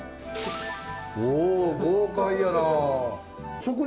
お豪快やな。